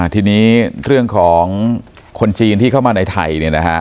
ทีนี้เรื่องของคนจีนที่เข้ามาในไทย